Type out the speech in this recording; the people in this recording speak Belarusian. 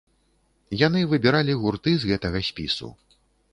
Яны выбіралі гурты з гэтага спісу.